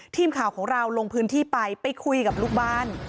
ทีมข่าวของเราลงพื้นที่ไปไปคุยกับลูกบ้าน